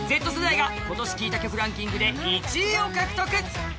今年聴いた曲ランキングで１位を獲得。